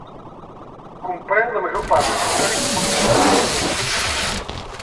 Comprèn la major part de l'històric Comtat d'Osona.